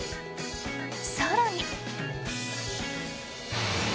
更に。